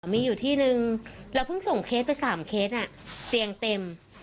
มีอยู่ที่นึงเราเพิ่งส่งเคสไป๓เคสเตียงเต็ม